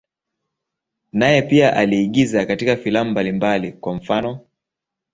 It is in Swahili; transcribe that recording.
Naye pia aliigiza katika filamu mbalimbali, kwa mfano.